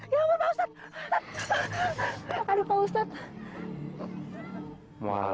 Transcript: ya allah pak ustadz